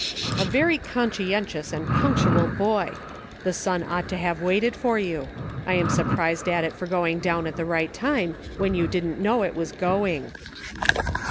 " A very conscientious and punctual boy ! The sun ought to have waited for you. I am surprised "march ! I SAID." 23 at it for going down at the right time, when you didn't know it was going."